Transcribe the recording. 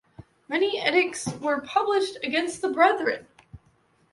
Many edicts were published against the Brethren.